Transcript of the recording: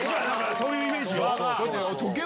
そういうイメージよ。